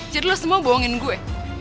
jadi lo semua bohongin gue